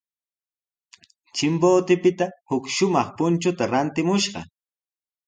Chimbotepita huk shumaq punchuta rantimushqa.